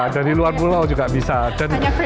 dari luar pulau juga bisa